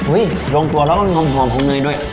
ลงตัวแล้วก็มีความหอมของเนยด้วย